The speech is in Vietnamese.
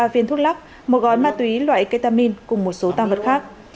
ba viên thuốc lắc một gói ma túy loại ketamin cùng một số tam vật khác